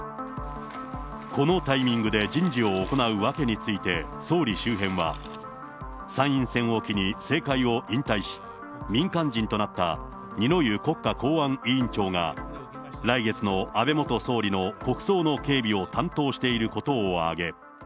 このタイミングで人事を行うわけについて、総理周辺は、参院選を機に政界を引退し、民間人となった二之湯国家公安委員長が、来月の安倍元総理の国葬の警備を担当していることを挙げ。